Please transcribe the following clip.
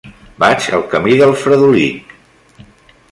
Vaig al camí del Fredolic.